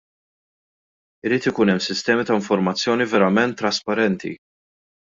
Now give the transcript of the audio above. Irid ikun hemm sistemi ta' informazzjoni verament trasparenti.